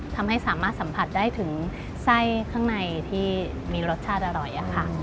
ทำให้สามารถสัมผัสได้ถึงไส้ข้างในที่มีรสชาติอร่อยค่ะ